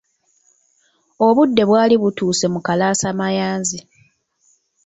Obudde bwali butuuse mu kalasamayanzi.